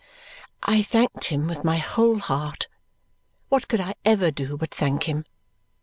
I thanked him with my whole heart. What could I ever do but thank him!